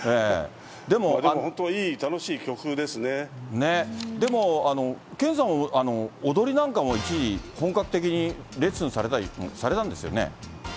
でも本当、でも、健さん、踊りなんかも一時、本格的にレッスンされたりもされたんですよね。